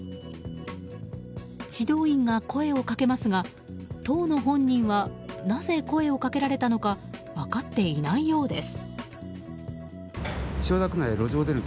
指導員が声をかけますが当の本人はなぜ声をかけられたのか分かっていないようです。